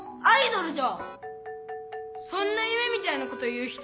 そんなゆめみたいなこと言う人